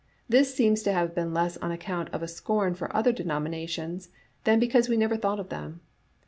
This seems to have been less on account of a scorn for other denominations than because we never thought of them.